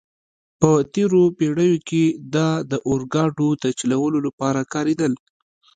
په تېرو پېړیو کې دا د اورګاډو د چلولو لپاره کارېدل.